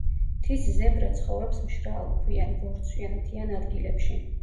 მთის ზებრა ცხოვრობს მშრალ, ქვიან, ბორცვიან, მთიან ადგილებში.